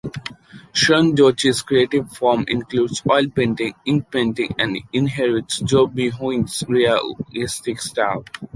Sun Duoci's creative form includes oil painting, ink painting, and inherits Xu Beihong's realistic style.